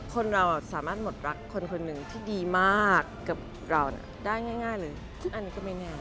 คนเราสามารถหมดรักคนคนหนึ่งที่ดีมากกับเราได้ง่ายเลยซึ่งอันนี้ก็ไม่ง่าย